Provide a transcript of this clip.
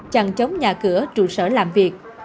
chặn chống nhà cửa trụ sở làm việc